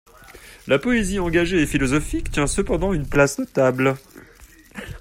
La poésie engagée et philosophique tient cependant une place notable.